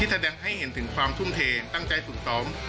แสดงให้เห็นถึงความทุ่มเทตั้งใจฝึกซ้อม